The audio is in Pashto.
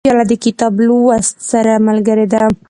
پیاله د کتاب لوست سره ملګرې ده.